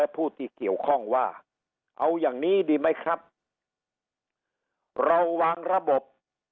ผู้ที่เกี่ยวข้องว่าเอาอย่างนี้ดีไหมครับเราวางระบบ